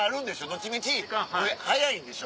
どっちみち早いんでしょ？